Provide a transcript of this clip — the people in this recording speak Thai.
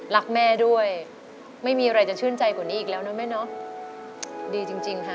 รักแม่ด้วยไม่มีอะไรจะชื่นใจกว่านี้อีกแล้วนะแม่เนอะดีจริงจริงค่ะ